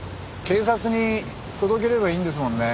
警察に届ければいいんですもんね。